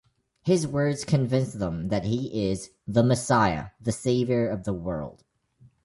His words convince them that he is "the Messiah, the Savior of the world".